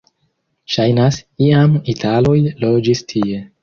Ŝajnas, iam italoj loĝis tie.